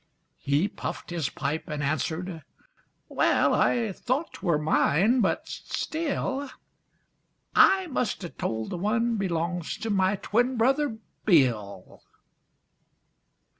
He puffed his pipe, and answered, "Wa a ll, I thought 'twere mine, but still, I must ha' told the one belongs to my twin brother Bill!"